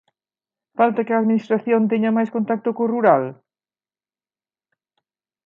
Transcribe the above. Falta que a Administración teña máis contacto co rural?